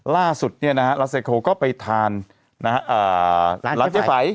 ล่าสุดเนี้ยนะฮะรัสเซโคก็ไปทานนะฮะอ่าร้านเจ๊ไฝ